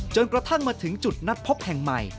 กระทั่งมาถึงจุดนัดพบแห่งใหม่